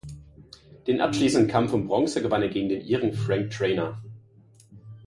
Den abschließenden Kampf um Bronze gewann er gegen den Iren Frank Traynor.